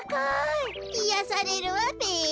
いやされるわべ。